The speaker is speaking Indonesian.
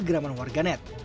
kegeraman warga net